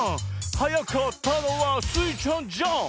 「はやかったのはスイちゃんじゃん」